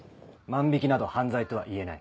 万引など犯罪とは言えない。